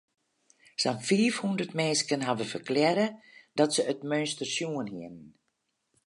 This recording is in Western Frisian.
Sa'n fiifhûndert minsken hawwe ferklearre dat se it meunster sjoen hiene.